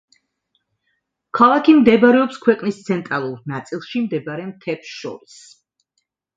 ქალაქი მდებარეობს ქვეყნის ცენტრალურ ნაწილში მდებარე მთებს შორის.